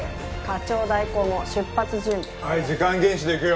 課長代行も出発準備早く。